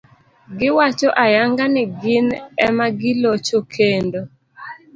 Giwacho ayanga ni gin ema gilocho, kendo